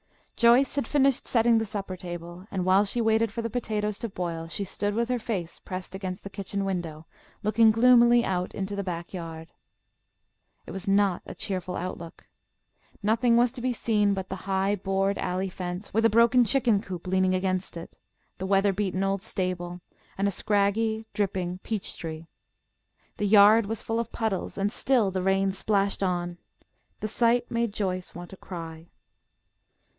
Joyce had finished setting the supper table, and while she waited for the potatoes to boil she stood with her face pressed against the kitchen window, looking gloomily out into the back yard. It was not a cheerful outlook. Nothing was to be seen but the high board alley fence with a broken chicken coop leaning against it, the weather beaten old stable, and a scraggy, dripping peach tree. The yard was full of puddles, and still the rain splashed on. The sight made Joyce want to cry.